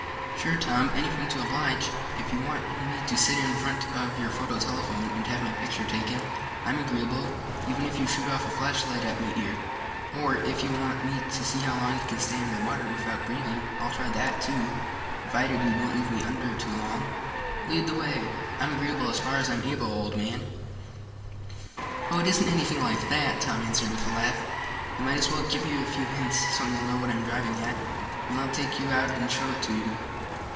"Sure, Tom, anything to oblige. If you want me to sit in front of your photo telephone, and have my picture taken, I'm agreeable, even if you shoot off a flashlight at my ear. Or, if you want me to see how long I can stay under water without breathing I'll try that, too, provided you don't leave me under too long, lead the way I'm agreeable as far as I'm able, old man." "Oh, it isn't anything like that," Tom answered with a laugh. "I might as well give you a few hints, so you'll know what I'm driving at. Then I'll take you out and show it to you."